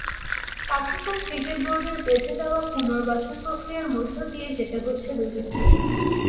Pakistan cricket বোর্ডের বেঁধে দেওয়া পুনর্বাসনপ্রক্রিয়ার মধ্য দিয়ে যেতে হচ্ছে দুজনকে।